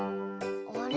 あれ？